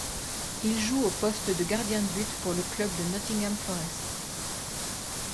Il joue au poste de gardien de but pour le club de Nottingham Forest.